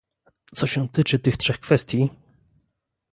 Co się tyczy tych trzech kwestii